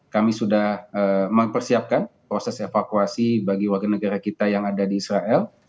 kami sudah mempersiapkan proses evakuasi bagi warga negara kita yang ada di israel